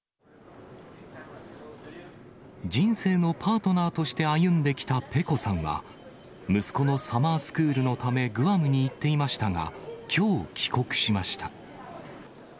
人生のパートナーとして歩んできたペコさんは、息子のサマースクールのため、グアムに行っていましたが、きょう帰国しました。